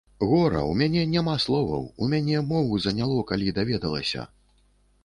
Гора, у мяне няма словаў, у мяне мову заняло, калі даведалася.